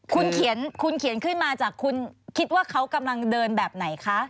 คุณเขียนคุณเขียนขึ้นมาจากคุณคิดว่าเขากำลังเดินแบบไหนคะ